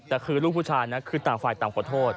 แต่คือลูกผู้ชายนะคือต่างฝ่ายต่างขอโทษ